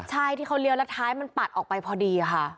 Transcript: ใช่ที่เขาเลี้ยวแล้วท้ายมันปัดออกไปพอดีค่ะ